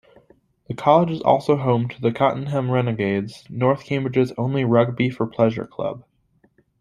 The college is also home to the Cottenham Renegades, north Cambridge's only rugby-for-pleasure club.